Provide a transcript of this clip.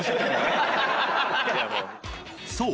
［そう。